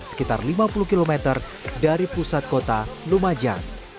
sekitar lima puluh km dari pusat kota lumajang